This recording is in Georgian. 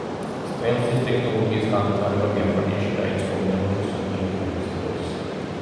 სტელსის ტექნოლოგიის განვითარება გერმანიაში დაიწყო მეორე მსოფლიო ომის დროს.